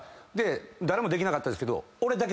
誰もできなかったんですけど。